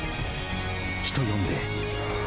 人呼んで。